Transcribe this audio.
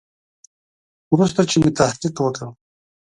وروسته چې مې تحقیق وکړ.